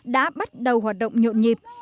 đã bắt đầu hoạt động nhộn nhịp